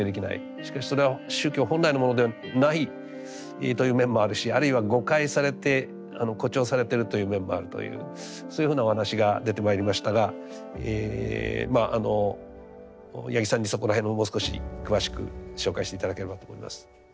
しかしそれは宗教本来のものではないという面もあるしあるいは誤解されて誇張されてるという面もあるというそういうふうなお話が出てまいりましたが八木さんにそこら辺ももう少し詳しく紹介して頂ければと思います。